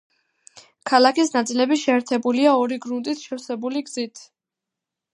ქალაქის ნაწილები შეერთებულია ორი გრუნტით შევსებული გზით.